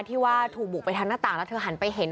ที่ว่าถูกบุกไปทางหน้าต่างแล้วเธอหันไปเห็น